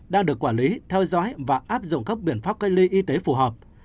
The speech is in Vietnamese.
đang được quản lý theo dõi và áp dụng các biện pháp cách ly y tế phù hợp